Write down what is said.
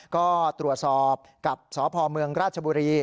ก็ตรวจสอบกับสพเมืองราชบุรี